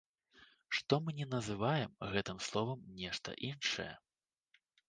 Што мы не называем гэтым словам нешта іншае.